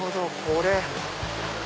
これ。